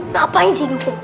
ngapain sih dihukum